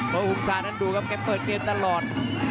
เพราะอุงษานั้นดูครับแกเปิดเกมตลอด